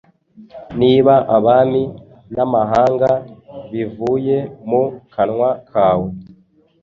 Niba abami namahanga bivuye mu kanwa kawe,